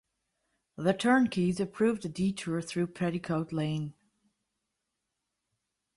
The turnkeys approved a detour through Petticoat Lane.